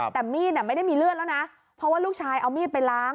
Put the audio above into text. แต่มีดไม่ได้มีเลือดแล้วนะเพราะว่าลูกชายเอามีดไปล้าง